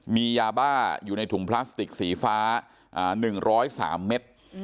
มียาบ้าอยู่ในถุงพลาสติกสีฟ้า๑๐๓เม็ด